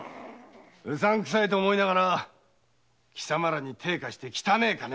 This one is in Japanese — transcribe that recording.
うさんくさいと思いながら貴様らに手を貸して汚い金も受け取った。